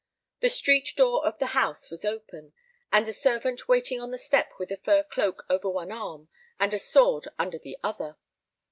The street door of the house was open, and a servant waiting on the step with a fur cloak over one arm and a sword under the other.